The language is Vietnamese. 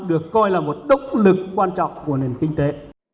được coi là một động lực quan trọng của nền kinh tế